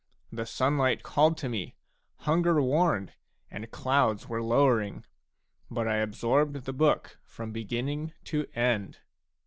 The sunlight called to me, hunger warned, and clouds were lowering; but I absorbed the book from beginning to end.